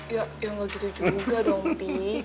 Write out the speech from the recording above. ya ya gak gitu juga dong pi